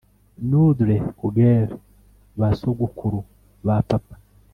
noodle kugel basogokuru ba papa